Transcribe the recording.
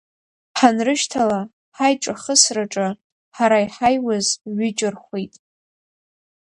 Ҳанрышьҭала, ҳаиҿахысраҿы ҳара иҳаиуаз ҩыџьа рхәит.